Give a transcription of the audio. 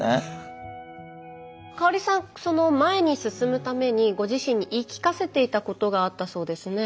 香さん前に進むためにご自身に言い聞かせていたことがあったそうですね。